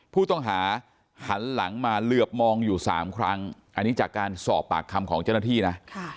ผู้ต้องหาหันหลังมาเหลือบมองอยู่๓ครั้งอันนี้จากการสอบปากคำของเจ้าหน้าที่นะ